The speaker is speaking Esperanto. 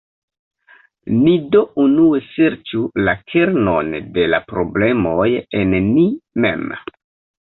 Ni do unue serĉu la kernon de la problemoj en ni mem.